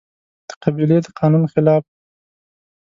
د قبيلې د قانون خلاف